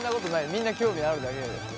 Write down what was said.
みんな興味あるだけだよ。